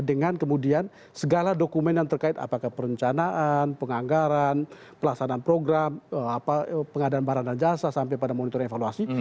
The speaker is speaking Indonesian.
dengan kemudian segala dokumen yang terkait apakah perencanaan penganggaran pelaksanaan program pengadaan barang dan jasa sampai pada monitoring evaluasi